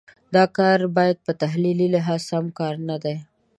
دا کار بیا په تحلیلي لحاظ سم کار نه دی.